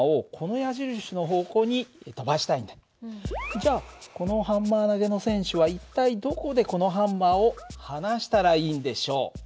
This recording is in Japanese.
じゃあこのハンマー投げの選手は一体どこでこのハンマーを放したらいいんでしょう？